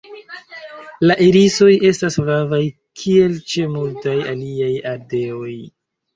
La irisoj estas flavaj kiel ĉe multaj aliaj ardeoj.